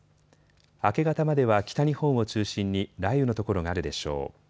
明け方までは北日本を中心に雷雨の所があるでしょう。